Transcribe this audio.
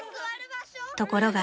［ところが］